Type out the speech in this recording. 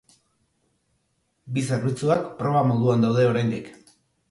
Bi zerbitzuak proba moduan daude oraindik.